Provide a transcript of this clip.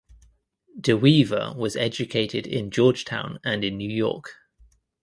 De Weever was educated in Georgetown and in New York.